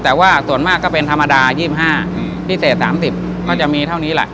แต่ว่าส่วนมากก็เป็นธรรมดายี่สิบห้าอืมพิเศษสามสิบก็จะมีเท่านี้แหละ